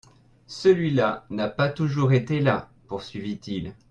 Celui-là n'a pas toujours été là, poursuivit-il.